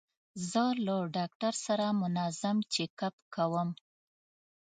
زه له ډاکټر سره منظم چیک اپ کوم.